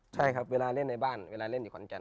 ใช่ครับเวลาเล่นในบ้านเวลาเล่นอยู่ขอนแก่น